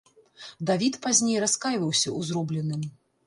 Давід пазней раскайваўся ў зробленым.